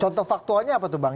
contoh faktualnya apa tuh bang